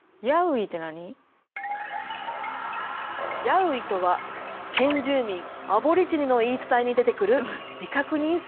ヤウイとは先住民アボリジニの言い伝えに出てくる未確認生物。